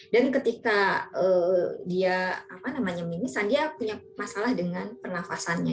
dan ketika dia apa namanya mimisan dia punya masalah dengan pernafasannya